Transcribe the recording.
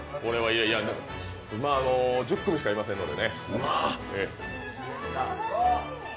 今、１０組しかいませんので。